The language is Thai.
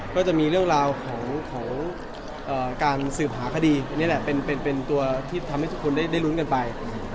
ก็จะมีเรื่องราวของการสืบหาคดีอันนี้แหละเป็นตัวที่ทำให้ทุกคนได้ลุ้นกันไป